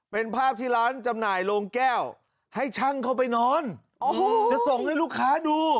เป็นภาพที่ร้านจำหน่ายโรงแก้วให้ช่างเข้าไปนอนจะส่งให้ลูกค้าดู